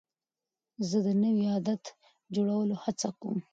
زه د نوي عادت جوړولو هڅه کوم.